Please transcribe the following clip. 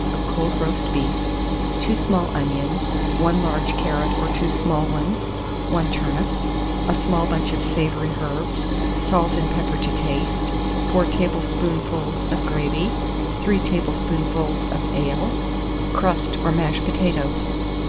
of cold roast beef, 2 small onions, 1 large carrot or two small ones, 1 turnip, a small bunch of savoury herbs, salt and pepper to taste, 4 tablespoonfuls of gravy, 3 tablespoonfuls of ale, crust or mashed potatoes.